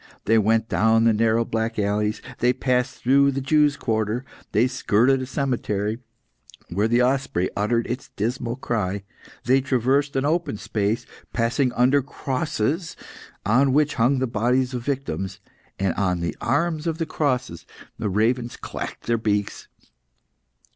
They went down narrow, black alleys; they passed through the Jews' quarter; they skirted a cemetery, where the osprey uttered its dismal cry; they traversed an open space, passing under crosses on which hung the bodies of victims, and on the arms of the crosses the ravens clacked their beaks.